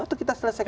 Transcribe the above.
atau kita selesai